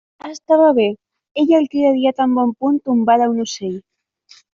Estava bé; ell el cridaria tan bon punt tombara un ocell.